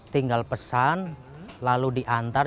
tinggal pesan lalu diantar